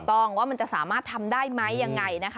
ถูกต้องว่ามันจะสามารถทำได้ไหมยังไง